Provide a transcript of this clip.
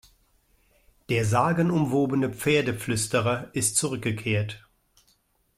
Der sagenumwobene Pferdeflüsterer ist zurückgekehrt!